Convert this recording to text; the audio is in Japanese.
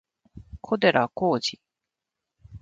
小寺浩二